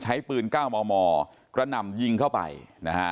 ใช้ปืนก้าวมอกระนำยิงเข้าไปนะฮะ